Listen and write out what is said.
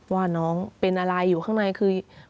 ว่าน้องเป็นอะไรอยู่ข้างในคือ